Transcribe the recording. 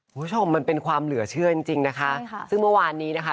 คุณผู้ชมมันเป็นความเหลือเชื่อจริงจริงนะคะซึ่งเมื่อวานนี้นะคะ